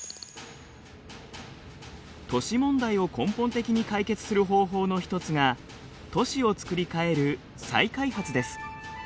都市問題を根本的に解決する方法の一つが都市を作り変える再開発です。